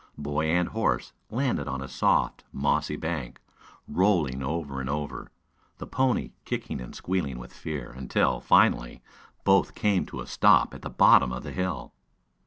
Boy and horse landed on a soft, mossy bank, rolling over and over, the pony kicking and squealing with fear, until, finally, both came to a stop at the bottom of the hill.